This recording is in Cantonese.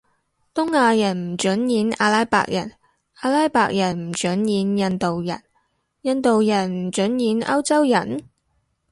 東亞人唔准演阿拉伯人，阿拉伯人唔准演印度人，印度人唔准演歐洲人？